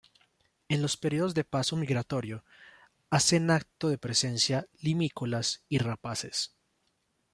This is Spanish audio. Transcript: En los períodos de paso migratorio hacen acto de presencia limícolas y rapaces.